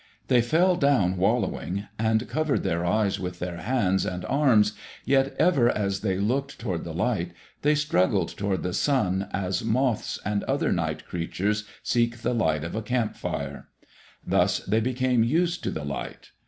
They fell down wallowing and covered their eyes with their hands and arms, yet ever as they looked toward the light, they struggled toward the Sun as moths and other night creatures seek the light of a camp fire. Thus they became used to the light.